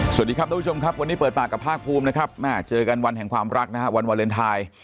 สวัสดีครับทุกผู้ชมครับวันนี้เปิดปากกับภาคภูมินะครับแม่เจอกันวันแห่งความรักนะฮะวันวาเลนไทย